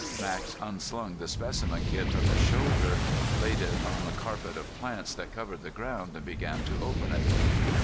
Max unslung the specimen kit from his shoulder, laid it on the carpet of plants that covered the ground and began to open it.